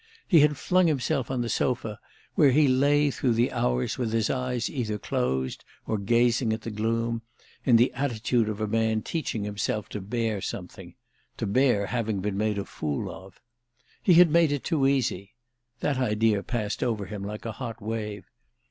He had flung himself on the sofa, where he lay through the hours with his eyes either closed or gazing at the gloom, in the attitude of a man teaching himself to bear something, to bear having been made a fool of. He had made it too easy—that idea passed over him like a hot wave.